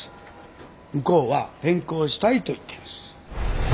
向こうは転校したいと言っています。